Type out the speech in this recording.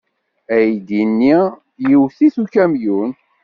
Aydi-nni iwet-it ukamyun.